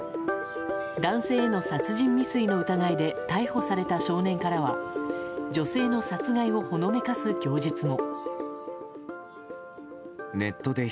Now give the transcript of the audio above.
男性への殺人未遂の疑いで逮捕された少年からは女性の殺害をほのめかす供述も。